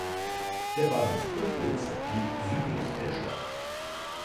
Der Bahnhof Putlitz liegt südlich der Stadt.